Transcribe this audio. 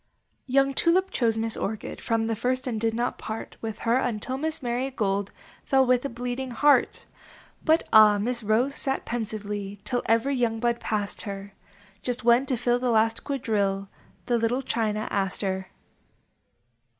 Young Tulip chose Miss Orchid From the first, and did not part With her until Miss Mary Gold Fell with a Bleeding Heart. But ah ! Miss Rose sat pensively Till every young bud passed her : When just to fill the last quadrille, The little China Aster.